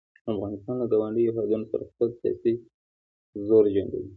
افغانستان له ګاونډیو هیوادونو سره خپل سیاسي زور جنګوي.